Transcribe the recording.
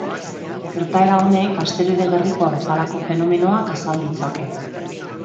Gertaera honek asteroide gerrikoa bezalako fenomenoak azal ditzake.